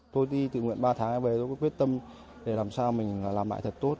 tôi đi tự nguyện ba tháng tôi quyết tâm làm sao mình làm lại thật tốt